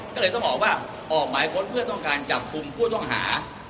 ก็เลยต้องบอกว่าออกหมายค้นเพื่อต้องการจับกลุ่มผู้ต้องหา